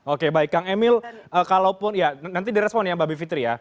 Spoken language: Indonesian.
oke baik kang emil kalaupun ya nanti direspon ya mbak bivitri ya